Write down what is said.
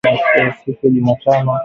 siku ya Jumatano